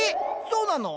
そうなの？